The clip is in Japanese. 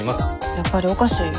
やっぱりおかしいよ。